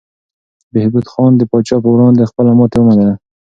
بهبود خان د پاچا په وړاندې خپله ماتې ومنله.